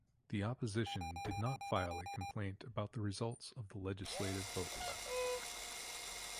The opposition did not file a complaint about the results of the legislative vote.